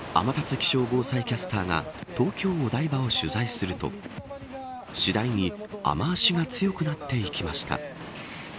気象防災キャスターが東京、お台場を取材すると次第に雨脚が強くなっていきました。